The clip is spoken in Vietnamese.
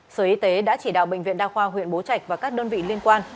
sở y tế đã chỉ đạo bệnh viện đa khoa huyện bố trạch và các đơn vị liên quan